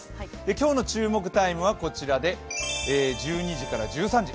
今日の注目タイムはこちらで、１２時から１３時。